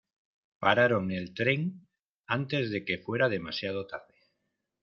Pararon el tren antes de que fuera demasiado tarde.